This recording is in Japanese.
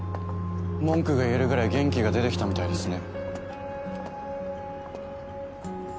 文句が言えるぐらい元気が出てきたみたいですね。